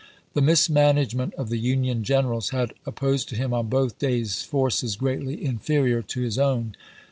The mismanagement of the Union generals had opposed to him on both days forces greatly inferior to his own.